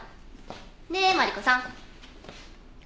ねえマリコさん。